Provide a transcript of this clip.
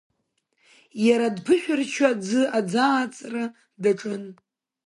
Иара дԥышәырччо аӡы аӡааҵра даҿын.